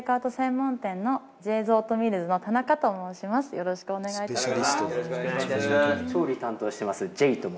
よろしくお願いします。